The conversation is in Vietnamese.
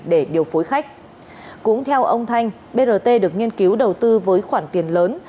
để điều phối khách cũng theo ông thanh brt được nghiên cứu đầu tư với khoản tiền lớn